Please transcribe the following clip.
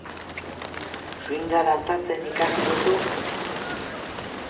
Swinga dantzatzen ikasi duzu?